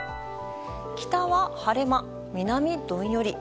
北は晴れ間、南どんより。